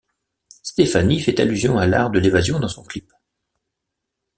Stefani fait allusion à l'art de l'évasion dans son clip.